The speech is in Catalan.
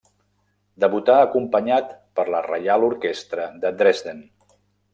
Debutà acompanyat per la Reial Orquestra de Dresden.